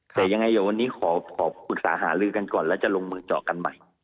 แต่ยังไงเดี๋ยววันนี้ขอปรึกษาหาลือกันก่อนแล้วจะลงมือเจาะกันใหม่